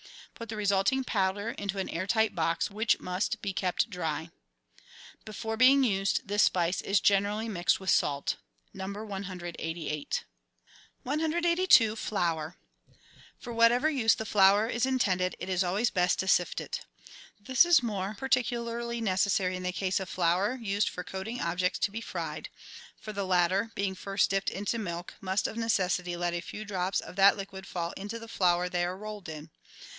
Put the resulting powder into an air tight box, which must be kept dry. Before being used, this spice is generally mixed with salt (No. 188). 182— FLOUR For whatever use the flour is intended, it is always best to sift it. This is more particularly necessary in the case of flour used for coating objects to be fried; for the latter, being first dipped into milk, must of necessity let a few drops of that liquid fall into the flour they are rolled in.